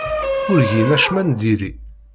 Ur gin acemma n diri.